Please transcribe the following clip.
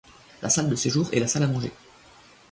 la salle de séjour et la salle à manger